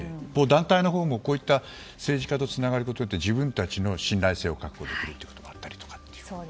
団体のほうもこういった政治家とつながることで自分たちの信頼性を獲得できることもある。